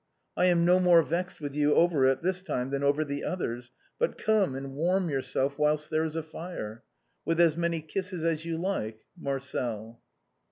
I am no more vexed with you over it this time than over the others, but come and warm your self whilst there is a fire. With as many kisses as you like, " Marcel."